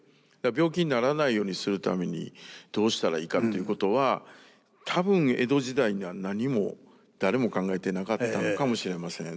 病気にならないようにするためにどうしたらいいかっていうことは多分江戸時代には何も誰も考えていなかったのかもしれません。